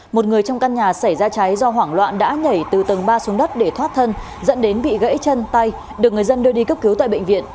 một người trong căn nhà xảy ra cháy do hoảng loạn đã nhảy từ tầng ba xuống đất để thoát thân dẫn đến bị gãy chân tay được người dân đưa đi cấp cứu tại bệnh viện